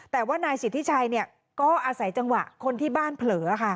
แต่ว่านายสิทธิชัยก็อาศัยจังหวะคนที่บ้านเผลอค่ะ